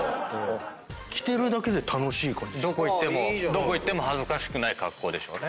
どこ行っても恥ずかしくない格好でしょうね。